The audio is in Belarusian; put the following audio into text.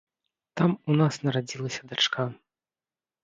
Там у нас нарадзілася дачка.